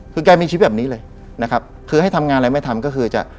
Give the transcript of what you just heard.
แกก็มีชีวิตแบบนี้ให้ทำงานอะไรไม่ทำ